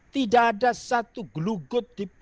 tidak ada satu gelugut